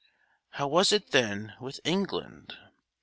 How was it then with England?